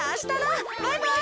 バイバイ。